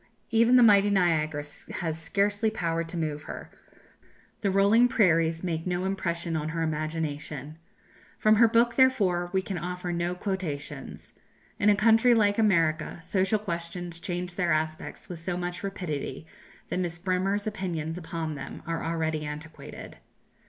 Even the mighty Niagara has scarcely power to move her; the rolling prairies make no impression on her imagination. From her book, therefore, we can offer no quotations. In a country like America social questions change their aspects with so much rapidity that Miss Bremer's opinions upon them are already antiquated.